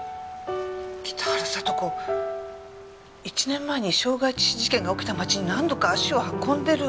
１年前に傷害致死事件が起きた町に何度か足を運んでる。